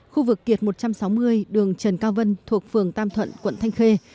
khu vực kiệt một trăm sáu mươi đường trần cao vân thuộc phường tam thuận quận thanh khê